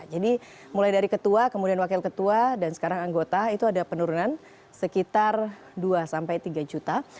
jadi mulai dari ketua kemudian wakil ketua dan sekarang anggota itu ada penurunan sekitar rp dua tiga juta